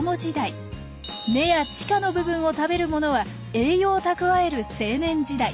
根や地下の部分を食べるものは栄養を蓄える青年時代。